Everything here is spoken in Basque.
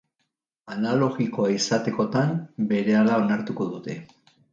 Analogikoa izatekotan, berehala onartuko dute.